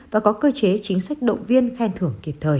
và có cơ chế chính sách động viên khen thưởng kịp thời